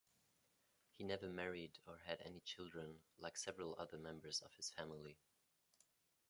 He never married or had any children, like several other members of his family.